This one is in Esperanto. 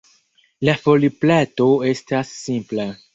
La foliplato estas simpla.